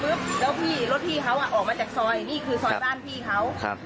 แล้วพี่รถพี่เขาอ่ะออกมาจากซอยนี่คือซอยบ้านพี่เขาครับ